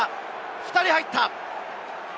２人入った！